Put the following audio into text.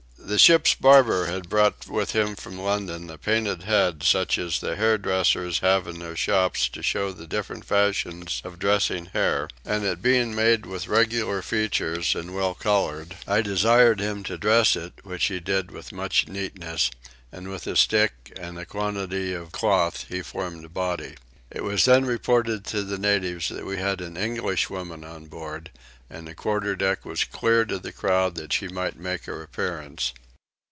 The ship's barber had brought with him from London a painted head such as the hair dressers have in their shops to show the different fashions of dressing hair; and it being made with regular features and well coloured, I desired him to dress it, which he did with much neatness, and with a stick and a quantity of cloth he formed a body. It was then reported to the natives that we had an Englishwoman on board and the quarter deck was cleared of the crowd that she might make her appearance.